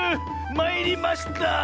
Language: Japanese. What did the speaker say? まいりました！